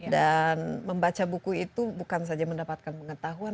dan membaca buku itu bukan saja mendapatkan pengetahuan